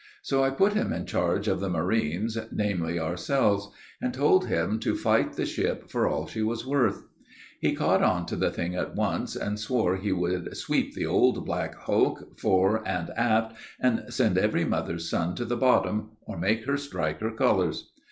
So I put him in charge of the marines, namely, ourselves, and told him to fight the ship for all she was worth. He caught on to the thing at once, and swore he would 'sweep the old black hulk fore and aft, and send every mother's son to the bottom, or make her strike her colors.'